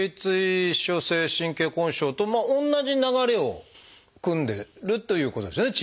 頚椎症性神経根症と同じ流れをくんでるということですよね